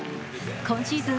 今シーズン